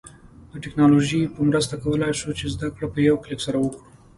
د ټیکنالوژی په مرسته کولای شو چې زده کړه په یوه کلیک سره وکړو